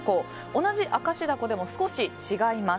同じ明石だこでも少し違います。